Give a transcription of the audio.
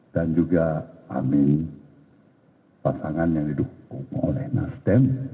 dan juga amin pasangan yang didukung oleh nasdem